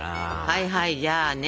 はいはいじゃあね